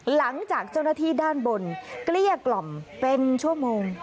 หลังจากเจ้าหน้าที่ด้านบนเกลี้ยกล่อมเป็นชั่วโมง